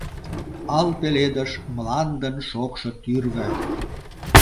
Ал пеледыш — мландын шокшо тӱрвӧ.